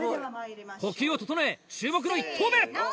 呼吸を整え注目の１投目！